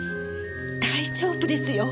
大丈夫ですよ。